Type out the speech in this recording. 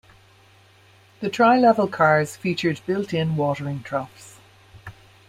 The tri-level cars featured built-in watering troughs.